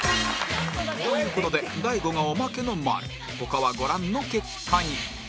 という事で大悟がおまけの○他はご覧の結果に